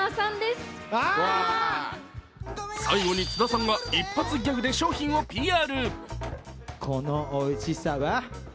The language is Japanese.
最後に津田さんが一発ギャグで商品をＰＲ。